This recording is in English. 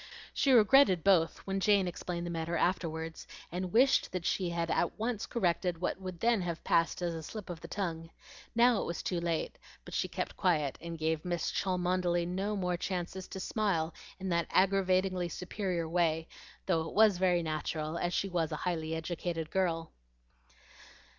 She regretted both when Jane explained the matter afterward, and wished that she had at once corrected what would then have passed as a slip of the tongue. Now it was too late; but she kept quiet and gave Miss Cholmondeley no more chances to smile in that aggravatingly superior way, though it was very natural, as she was a highly educated girl.